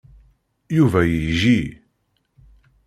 Yuba yejji.